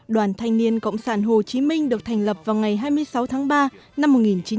đoàn thanh niên cộng sản hồ chí minh được thành lập vào ngày hai mươi sáu tháng ba năm một nghìn chín trăm bảy mươi năm